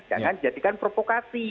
jangan jadikan provokasi